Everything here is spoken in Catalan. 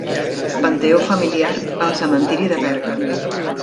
Panteó familiar al cementiri de Berga.